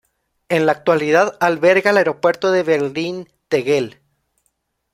En la actualidad alberga el Aeropuerto de Berlín-Tegel.